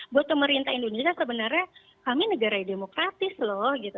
buat pemerintah indonesia sebenarnya kami negara yang demokratis loh gitu